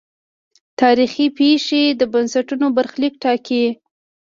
تاریخي پېښې د بنسټونو برخلیک ټاکي.